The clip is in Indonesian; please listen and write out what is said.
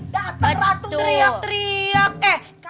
datenglah atung teriak teriak